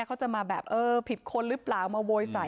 เขาจะมาแบบเออผิดคนหรือเปล่ามาโวยใส่